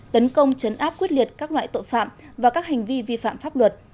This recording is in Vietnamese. tấn công chấn áp quyết liệt các loại tội phạm và các hành vi vi phạm pháp luật